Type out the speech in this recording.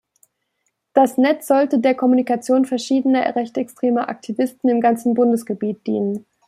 Das Netz sollte der Kommunikation verschiedener rechtsextremer Aktivisten im ganzen Bundesgebiet dienen.